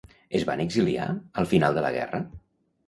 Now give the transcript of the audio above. Es van exiliar al final de la guerra?